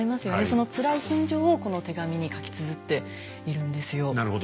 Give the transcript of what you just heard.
そのつらい心情をこの手紙に書きつづっているんですよ。